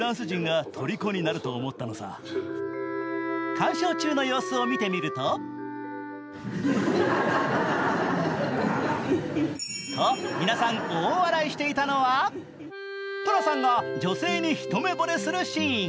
鑑賞中の様子を見てみるとと、皆さん大笑いしていたのは寅さんが女性に一目ぼれするシーン。